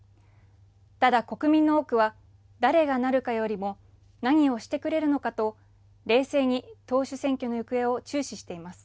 ただ国民の多くは、誰がなるかよりも、何をしてくれるのかと、冷静に党首選挙の行方を注視しています。